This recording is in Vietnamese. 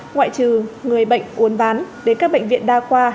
ngoại trừ người bệnh uốn ván đến các bệnh viện đa khoa